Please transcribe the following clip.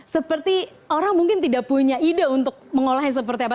seperti orang mungkin tidak punya ide untuk mengolahnya seperti apa